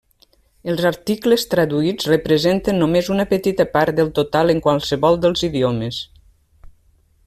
Els articles traduïts representen només una petita part del total en qualsevol dels idiomes.